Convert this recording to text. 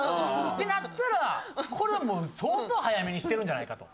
ってなったらこれはもう相当早めにしてるんじゃないかと。